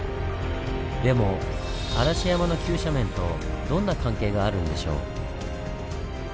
でも嵐山の急斜面とどんな関係があるんでしょう？